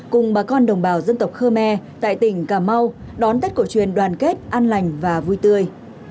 cùng bà con đồng bào dân tộc khơ me tại tỉnh cà mau đón tết cổ truyền đoàn kết an lành và vui tươi